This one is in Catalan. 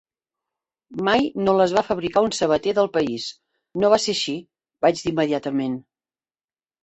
"Mai no les va fabricar un sabater del país". "No va ser així", vaig dir immediatament.